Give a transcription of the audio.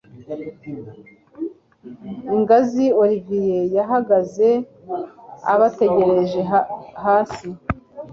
ingazi. olivier yahagaze abategereje hasi